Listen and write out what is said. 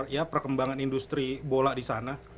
ya perkembangan industri bola disana